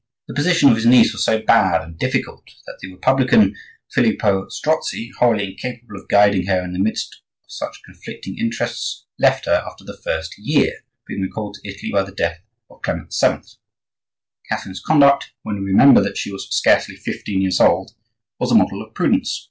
The position of his niece was so bad and difficult that the republican Filippo Strozzi, wholly incapable of guiding her in the midst of such conflicting interests, left her after the first year, being recalled to Italy by the death of Clement VII. Catherine's conduct, when we remember that she was scarcely fifteen years old, was a model of prudence.